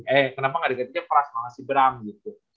eh kenapa gak digantinya pras malah si bram gitu